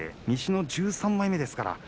西の１３枚目。